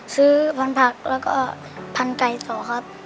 ซื้อพันธุผักแล้วก็พันไก่ต่อครับ